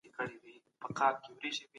خصوصي تشبثات د کار زمینه برابروي.